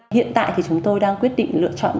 hiện tại thì chúng tôi đang quyết định lựa chọn